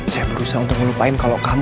saya udah berusaha untuk ngelupain semuanya